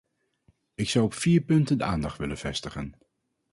Ik zou op vier punten de aandacht willen vestigen.